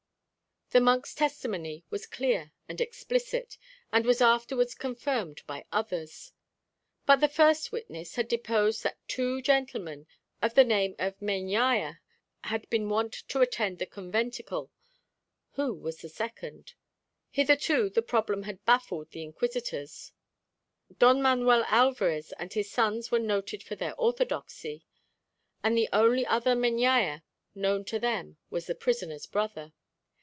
The monk's testimony was clear and explicit, and was afterwards confirmed by others. But the first witness had deposed that two gentlemen of the name of Meñaya had been wont to attend the conventicle. Who was the second? Hitherto this problem had baffled the Inquisitors. Don Manuel Alvarez and his sons were noted for orthodoxy; and the only other Meñaya known to them was the prisoner's brother.